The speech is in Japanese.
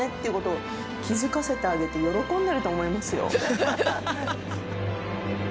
いうことを気付かせてあげて喜んでると思いますよ。